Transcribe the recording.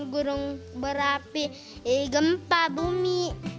gunung berapi gempa bumi